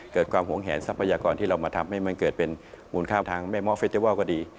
เกิดความหวงแหนทรัพยากรที่เรามาทำให้มันเกิดเป็นมูลค่าทางแม่ม้อเฟวอลก็ดี